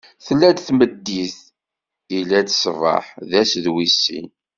Tella-d tmeddit, illa-d ṣṣbeḥ: d ass wis sin.